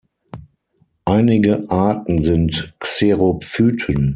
Einige Arten sind Xerophyten.